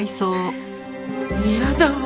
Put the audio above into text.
嫌だわ。